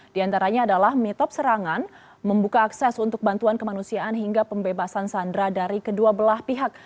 di antaranya adalah mitop serangan membuka akses untuk bantuan kemanusiaan hingga pembebasan sandra dari kedua belah pihak